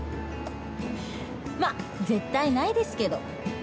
ま、絶対ないですけど。